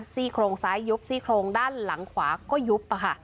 ซี่โครงซ้ายยุบซี่โครงด้านหลังขวาก็ยุบ